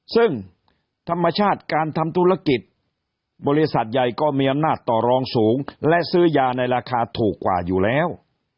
ซึ่งธรรมชาติการทำธุรกิจบริษัทใหญ่ก็มีอำนาจต่อรองสูงและซื้อยาในราคาถูกกว่าอยู่แล้ว